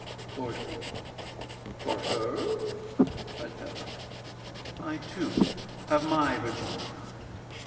LORD ORM. For her? REDFEATHER. I too have my virginity.